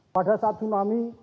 pada saat tsunami